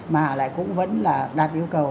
mà lại cũng vẫn là đạt yêu cầu